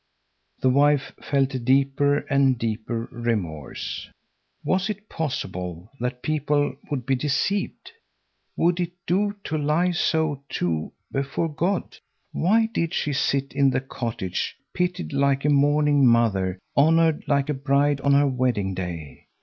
The wife felt deeper and deeper remorse. Was it possible that people would be deceived? Would it do to lie so too before God? Why did she sit in the cottage, pitied like a mourning mother, honored like a bride on her wedding day?